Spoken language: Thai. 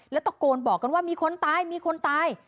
แล้วตะโกนบอกกันว่ามีคนตายมีคนตาย